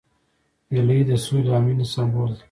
هیلۍ د سولې او مینې سمبول ده